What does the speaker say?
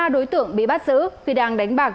một mươi ba đối tượng bị bắt giữ khi đang đánh bạc